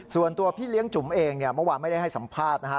ส่วนตัวพี่เลี้ยงจุ๋มเองเนี่ยเมื่อวานไม่ได้ให้สัมภาษณ์นะฮะ